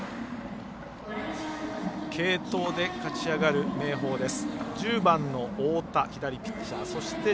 継投で勝ち上がる明豊です。